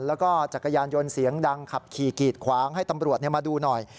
แล้วก็จักรยานยนต์เสียงดังขับขี่กีดขวางให้ตำรวจมาดูหน่อย